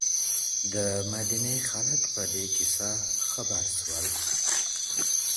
د مدینې خلک په دې کیسه خبر شول.